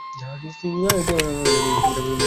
এটি আমিরাত সড়ক নামেও পরিচিত।